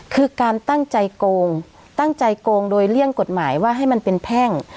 คือการตั้งใจโกงตั้งใจโกงโดยเลี่ยงกฎหมายว่าให้มันเป็นแพ่ง